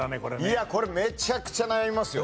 いやこれめちゃくちゃ悩みますよ。